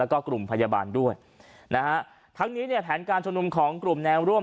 แล้วก็กลุ่มพยาบาลด้วยนะฮะทั้งนี้เนี่ยแผนการชุมนุมของกลุ่มแนวร่วม